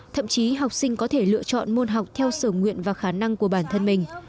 thậm chí học sinh có thể lựa chọn môn học theo sở nguyện và khả năng của bản thân mình